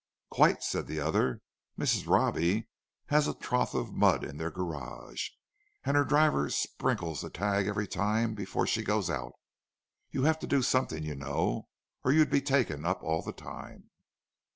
"Quite," said the other. "Mrs. Robbie has a trough of mud in their garage, and her driver sprinkles the tag every time before she goes out. You have to do something, you know, or you'd be taken up all the time."